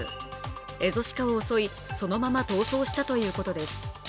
エゾシカを襲い、そのまま逃走したということです。